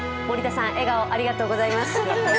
森田さん、笑顔ありがとうございます。